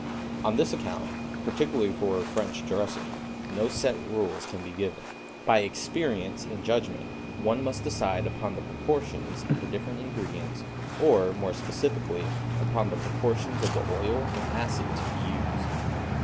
On this account, particularly for a French dressing, no set rules can be given. By experience and judgment one must decide upon the proportions of the different ingredients, or, more specifically, upon the proportions of the oil and acid to be used.